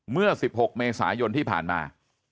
เมื่อ๑๖เมษายนที่ผ่านมา